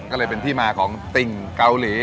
ก็เลยเป็นที่มาของติ่งเกาหลี